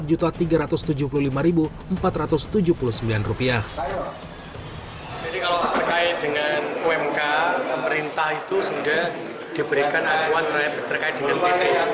kalau berkait dengan umk pemerintah itu sudah diberikan aturan terkait dengan pp